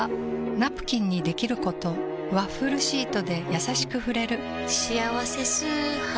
ナプキンにできることワッフルシートでやさしく触れる「しあわせ素肌」